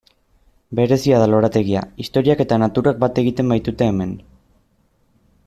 Berezia da lorategia, historiak eta naturak bat egiten baitute hemen.